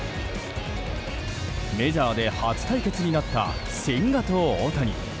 メジャーで初対決になった千賀と大谷。